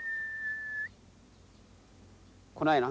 来ないな。